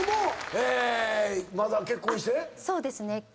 そうですね。